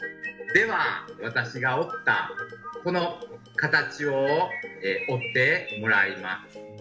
では私が折ったこの形を折ってもらいます。